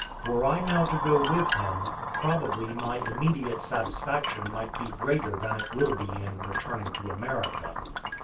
Were I now to go with him, probably my immediate satisfaction might be greater than it will be in returning to America.